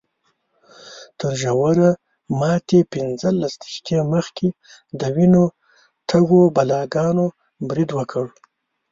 تر روژه ماتي پینځلس دقیقې مخکې د وینو تږو بلاګانو برید وکړ.